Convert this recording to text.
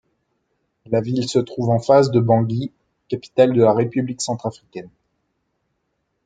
La ville se trouve en face de Bangui, capitale de la République centrafricaine.